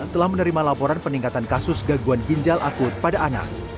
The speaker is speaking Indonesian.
telah menerima laporan peningkatan kasus gangguan ginjal akut pada anak